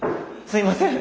すいません。